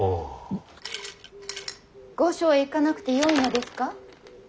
御所へ行かなくてよいのですか。